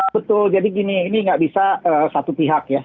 betul jadi gini ini nggak bisa satu pihak ya